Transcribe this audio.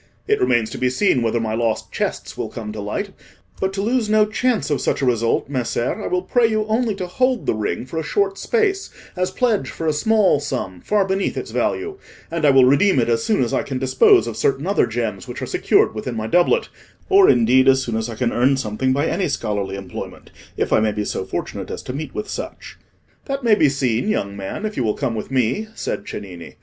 It remains to be seen whether my lost chests will come to light; but to lose no chance of such a result, Messer, I will pray you only to hold the ring for a short space as pledge for a small sum far beneath its value, and I will redeem it as soon as I can dispose of certain other gems which are secured within my doublet, or indeed as soon as I can earn something by any scholarly employment, if I may be so fortunate as to meet with such." "That may be seen, young man, if you will come with me," said Cennini.